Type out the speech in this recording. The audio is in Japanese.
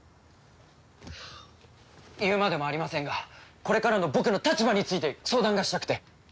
言うまでもありませんがこれからの僕の立場について相談がしたくて。